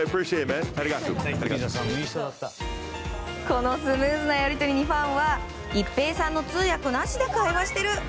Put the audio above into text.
このスムーズなやり取りに、ファンは一平さんの通訳なしで会話してる。